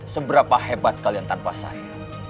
seberapa hebat kalian tanpa saya